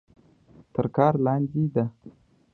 تر کار لاندې ده.